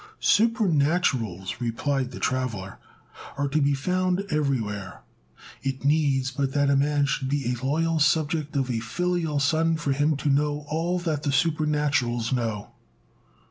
"Supernatural," replied the traveller, "are to be found everywhere. It needs but that a man should be a loyal subject and a filial son for him to know all that the supernaturals know."